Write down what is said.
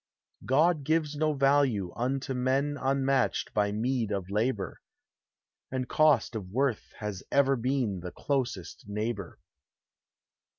God gives no value unto men Unmatched by meed of labor; And Cost of Worth has ever been The closest neighbor.